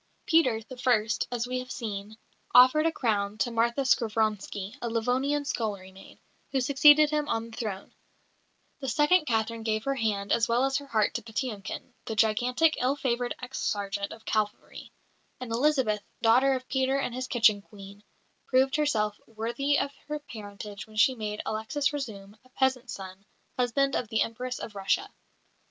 Peter, the first, as we have seen, offered a crown to Martha Skovronski, a Livonian scullery maid, who succeeded him on the throne; the second Catherine gave her hand as well as her heart to Patiomkin, the gigantic, ill favoured ex sergeant of cavalry; and Elizabeth, daughter of Peter and his kitchen Queen, proved herself worthy of her parentage when she made Alexis Razoum, a peasant's son, husband of the Empress of Russia.